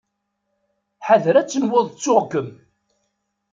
Ḥader ad tenwuḍ ttuɣ-kem!